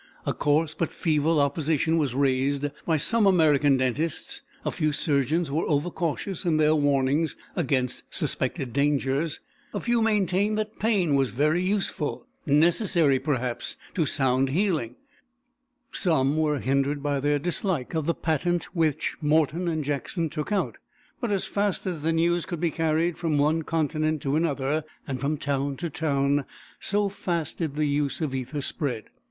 A coarse but feeble opposition was raised by some American dentists; a few surgeons were over cautious in their warnings against suspected dangers; a few maintained that pain was very useful, necessary perhaps to sound healing; some were hindered by their dislike of the patent which Morton and Jackson took out; but as fast as the news could be carried from one continent to another, and from town to town, so fast did the use of ether spread.